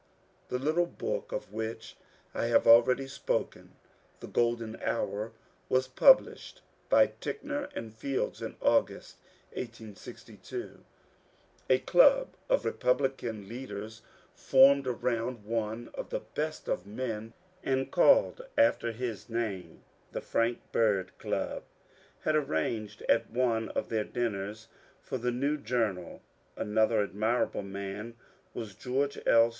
The little book of which I have already spoken, ^^The Golden Hoar/' was published by Ticknor & Fields in Aagust, 1862. A club of Republican leaders, formed around one of the best of men and called after his name ^^The Frank Bird Club," had arranged at one of their dinners for the new jour naL Another admirable man was George L.